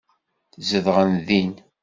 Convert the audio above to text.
Zedɣen din.